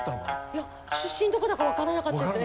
いや出身どこだかわからなかったです。